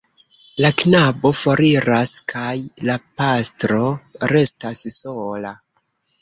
La knabo foriras kaj la pastro restas sola.